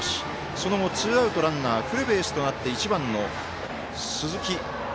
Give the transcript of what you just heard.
その後、ツーアウトランナー、フルベースとなって１番の鈴木。